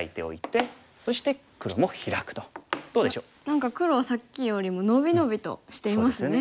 何か黒はさっきよりも伸び伸びとしていますね。